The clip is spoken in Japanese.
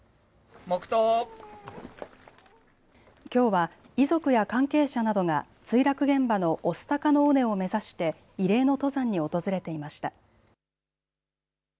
きょうは遺族や関係者などが墜落現場の御巣鷹の尾根を目指して慰霊の登山に訪れていました。